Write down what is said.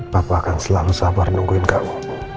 bapak akan selalu sabar nungguin kamu